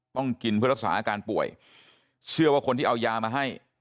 ต้องกินเพื่อรักษาอาการป่วยเชื่อว่าคนที่เอายามาให้